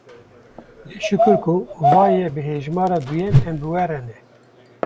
Lê şikur ku va ye bi hejmera duyem em bi we re ne.